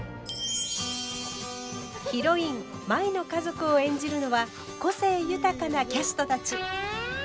ヒロイン舞の家族を演じるのは個性豊かなキャストたち。